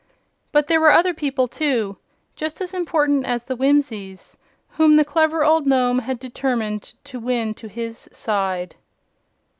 But there were other people, too, just as important as the Whimsies, whom the clever old Nome had determined to win to his side.